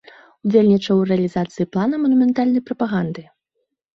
Удзельнічаў у рэалізацыі плана манументальнай прапаганды.